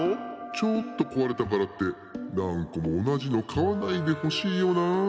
「ちょっとこわれたからってなんこもおなじのかわないでほしいよなあ。